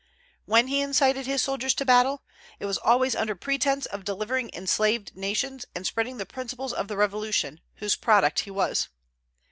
When he incited his soldiers to battle, it was always under pretence of delivering enslaved nations and spreading the principles of the Revolution, whose product he was.